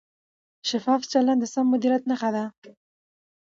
شفاف چلند د سم مدیریت نښه ده.